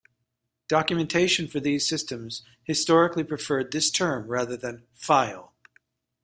Documentation for these systems historically preferred this term rather than "file".